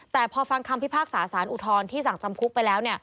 แต่พอฟังคำพิพากษาสารอุทธรณ์ที่สั่งจำคุกไปแล้ว